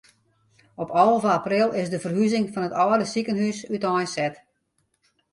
Op alve april is de ferhuzing fan it âlde sikehús úteinset.